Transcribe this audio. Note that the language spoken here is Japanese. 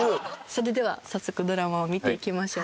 それでは早速ドラマを見ていきましょう。